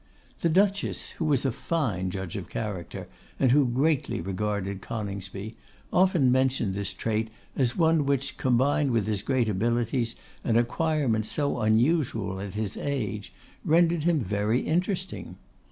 The Duchess, who was a fine judge of character, and who greatly regarded Coningsby, often mentioned this trait as one which, combined with his great abilities and acquirements so unusual at his age, rendered him very interesting.